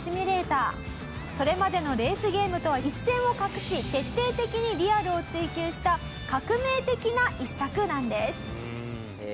それまでのレースゲームとは一線を画し徹底的にリアルを追求した革命的な一作なんです。